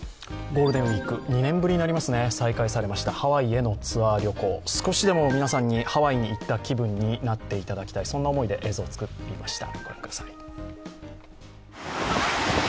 ゴールデンウイーク、２年ぶりになりますね、再開されましてハワイへのツアー旅行少しでも皆さんにハワイに行った気分になっていただきたい、そんな思いで映像を作りました、御覧ください。